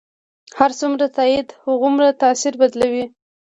هر څومره تایید، هغومره ستر بدلون.